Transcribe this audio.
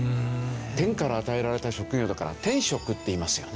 天から与えられた職業だから「天職」って言いますよね。